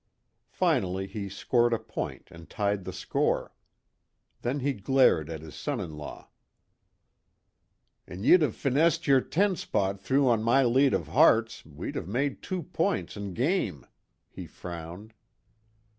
Finally he scored a point and tied the score. Then he glared at his son in law: "An' ye'd of finessed your ten spot through on my lead of hearts we'd of made two points an' game!" he frowned.